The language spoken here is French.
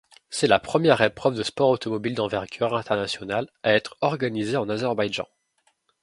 C'est la première épreuve de sport automobile d'envergure internationale à être organisée en Azerbaïdjan.